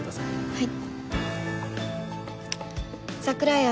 はい。